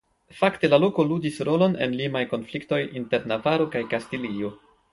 Fakte la loko ludis rolon en limaj konfliktoj inter Navaro kaj Kastilio.